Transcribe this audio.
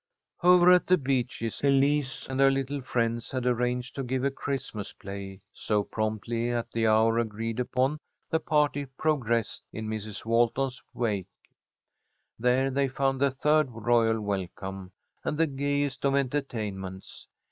Over at The Beeches, Elise and her little friends had arranged to give a Christmas play, so promptly at the hour agreed upon the party "progressed" in Mrs. Walton's wake. There they found the third royal welcome, and the gayest of entertainments.